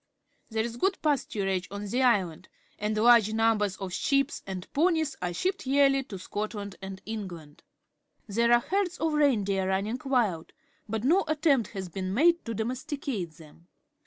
There is good pasturage on the island, and large numbers of jhe.ep and gonies are shipped yearly to Scotland and England. There are herds of reindeer run ning Mild, but no attempt has been made to domesticate them.